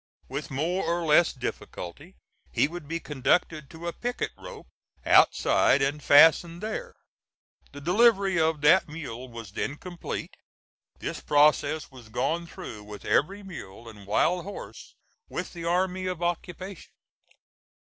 With more or less difficulty he would be conducted to a picket rope outside and fastened there. The delivery of that mule was then complete. This process was gone through with every mule and wild horse with the army of occupation.